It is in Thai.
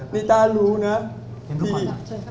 นิตารู้นะที่